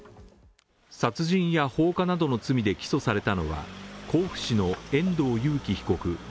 殺人や放火などの罪で起訴されたのは甲府市の遠藤裕喜被告